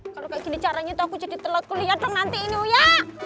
kalau gini caranya aku jadi telat kuliah nanti ini ya